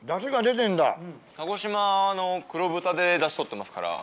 鹿児島の黒豚でダシ取ってますから。